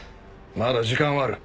まだ時間はある。